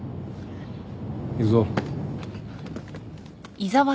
行くぞ